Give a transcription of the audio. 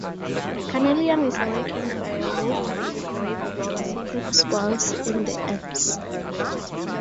Carnelian is awakened by a would-be grave robber seeking spoils in the urns.